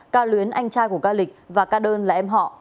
ca luyến anh trai của ca lịch và ca đơn là em họ